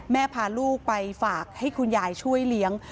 พาลูกไปฝากให้คุณยายช่วยเลี้ยง